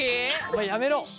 お前やめろ。